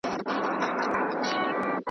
يو ناپوه دئ په گونگۍ ژبه گويان دئ .